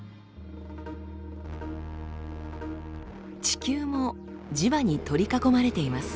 地球も磁場に取り囲まれています。